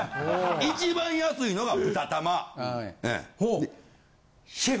一番安いのが豚玉。